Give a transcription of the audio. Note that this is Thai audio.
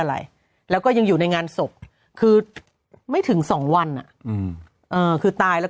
อะไรแล้วก็ยังอยู่ในงานศพคือไม่ถึงสองวันอ่ะอืมเอ่อคือตายแล้ว